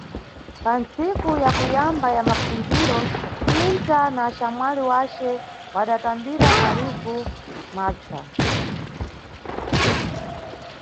Pantsiku ya kuyamba ya mapfundziro, Sinta na axamwali wace wadatambira malivu mapsa.